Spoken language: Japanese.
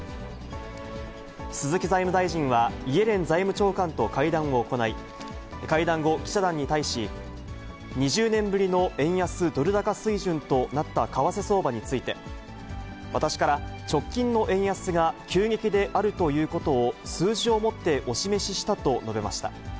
鈴木財務大臣はイエレン財務長官と会談を行い、会談後、記者団に対し、２０年ぶりの円安ドル高水準となった為替相場について、私から直近の円安が急激であるということを数字をもってお示ししたと述べました。